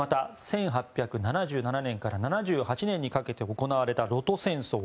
また１８７７年から７８年にかけて行われた露土戦争。